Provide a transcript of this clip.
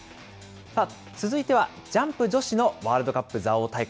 続いてはジャンプ女子のワールドカップ蔵王大会。